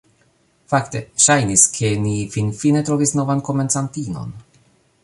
Fakte, ŝajnis, ke ni finfine trovis novan komencantinon.